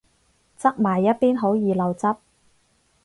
側埋一邊好易漏汁